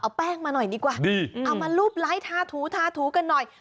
เอาแป้งมาหน่อยดีกว่าเอามารูปไลค์ทาถูทาถูกันหน่อย